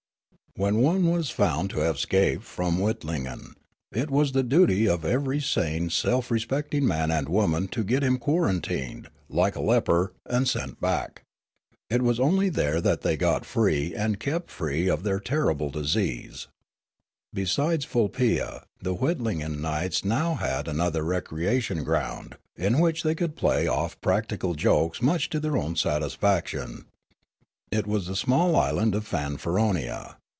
When one was found to have escaped from Witlingen, it was the duty of every sane self respecting man and woman to get him quarantined, like a leper, and sent back. It was only there that they got free and kept free of their terrible disease. Besides Vulpia the Witlingenites had now another recreation ground, in which they could play off practical jokes much to their own satisfaction. It was the small island of Fanfaronia.